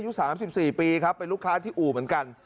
อายุสามสิบสี่ปีครับเป็นลูกค้าที่อู๋เหมือนกัน